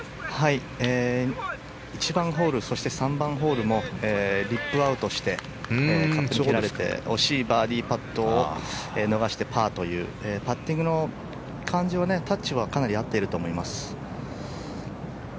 １番ホールそして３番ホールもリップアウトしてカップに蹴られて惜しいバーディーパットを逃してパーということでパッティングのタッチはかなり合っていると思います。